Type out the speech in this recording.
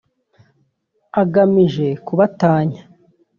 agamije kubatanya